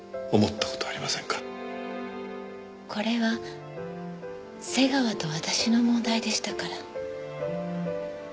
これは瀬川と私の問題でしたから。